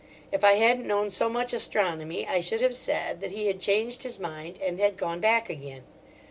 If I hadn't known so much astronomy I should have said that he had changed his mind and had gone back again.